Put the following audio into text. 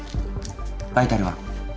バイタルは？